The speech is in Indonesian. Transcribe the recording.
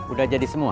udah jadi semua